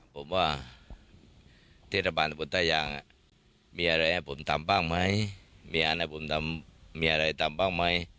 ผมว่าทฤบัณฑ์พุทธยางมีอะไรให้ผมทำบ้างไหมมีอะไรทำบ้างไหม